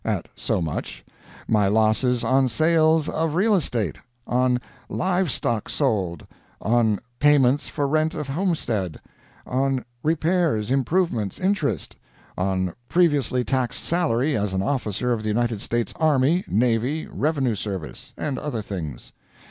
at so much; my "losses on sales of real estate" on "live stock sold" on "payments for rent of homestead" on "repairs, improvements, interest" on "previously taxed salary as an officer of the United States army, navy, revenue service," and other things.